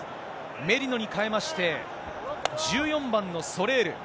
メリノに代えまして、１４番のソレール。